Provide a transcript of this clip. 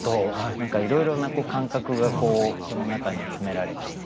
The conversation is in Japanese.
何かいろいろな感覚がこの中に詰められていて。